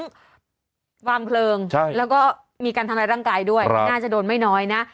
วางเพลิงแล้วก็มีการทำร้ายร่างกายด้วยน่าจะโดนไม่น้อยนะ